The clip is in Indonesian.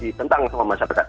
di tentang sama masyarakat